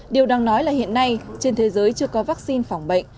điều đang nói là hiện nay trên thế giới chưa có vaccine phòng bệnh